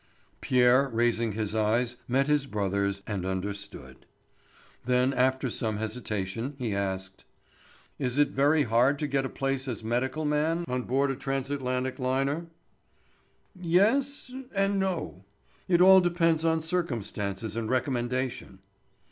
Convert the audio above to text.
Pierre raising his eyes met his brother's and understood. Then, after some hesitation, he asked: "Is it very hard to get a place as medical man on board a Transatlantic liner?" "Yes—and no. It all depends on circumstances and recommendation."